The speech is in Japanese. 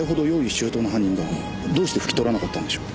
周到な犯人がどうして拭き取らなかったんでしょう？